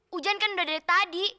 hujan kan udah dari tadi